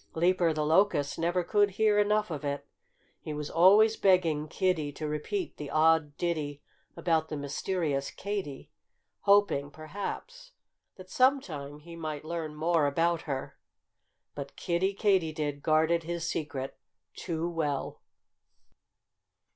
Leaper the Locust never could hear enough of it. He was always begging Kiddie to repeat the odd ditty about the mysterious Katy hoping, perhaps, that sometime he might learn more about her. But Kiddie Katydid guarded his secret too well.